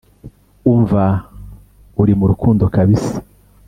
umva uri m’urukundo kabisa."